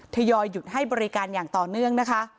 ยอยหยุดให้บริการอย่างต่อเนื่องนะคะ